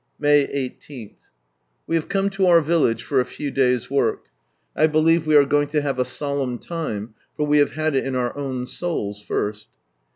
With one Bare Telling 151 May 18. — We have come to our village for a few days' work. I believe we are going to have a solemn time, for we have had it in our own souls first.